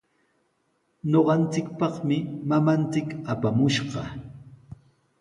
Ñuqanchikpaqmi mamanchik apamushqa.